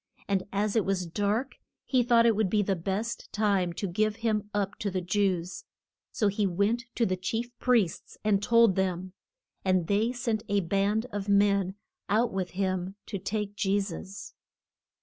And as it was dark he thought it would be the best time to give him up to the Jews. So he went to the chief priests and told them, and they sent a band of men out with him to take Je sus.